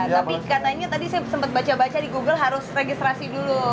tapi katanya tadi saya sempat baca baca di google harus registrasi dulu